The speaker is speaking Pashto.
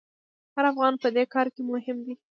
هر افغان په دې کار کې مهم دی.